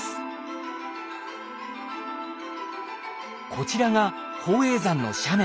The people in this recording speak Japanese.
こちらが宝永山の斜面。